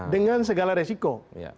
dengan segala resiko